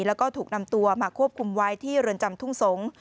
แล้วก็ถูกนำตัวมาควบคุมไว้ที่เรือนจำทุ่งสงศ์